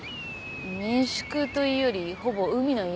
民宿というよりほぼ海の家ですね。